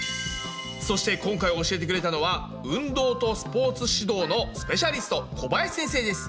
そして今回教えてくれたのは運動とスポーツ指導のスペシャリスト小林先生です。